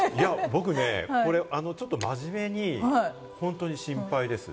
僕、ちょっと真面目に心配です。